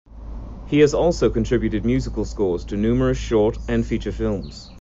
He has also contributed musical scores to numerous short and feature films.